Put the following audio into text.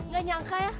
gak nyangka ya